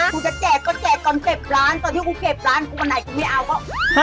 กูจะแจกก็แจกก่อนเก็บร้านตอนที่กูเก็บร้านกูวันไหนกูไม่เอาก็